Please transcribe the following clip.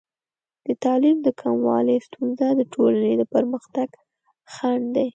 د تعلیم د کموالي ستونزه د ټولنې د پرمختګ خنډ دی.